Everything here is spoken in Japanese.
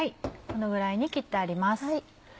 このぐらいに切ってあります。